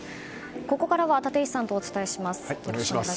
ここからは立石さんとお伝えします。